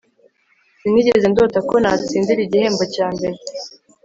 Sinigeze ndota ko natsindira igihembo cya mbere